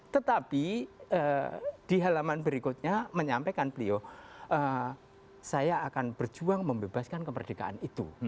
tetapi di halaman berikutnya menyampaikan beliau saya akan berjuang membebaskan kemerdekaan itu